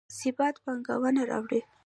ثبات پانګونه راوړي